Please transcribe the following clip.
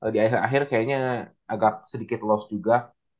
di akhir akhir kayaknya agak sedikit loss juga